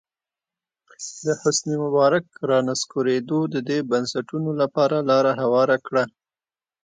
د حسن مبارک رانسکورېدو د دې بنسټونو لپاره لاره هواره کړه.